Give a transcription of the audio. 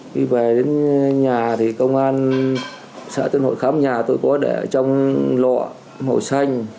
khi về đến nhà thì công an xã tuyên hội khám nhà tôi có để trong lọ màu xanh